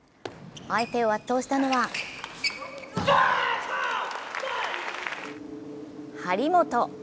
相手を圧倒したのは張本！